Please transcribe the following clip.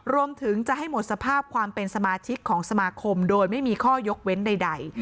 รวมถึงจะให้หมดสภาพความเป็นสมาชิกของสมาคมโดยไม่มีข้อยกเว้นใด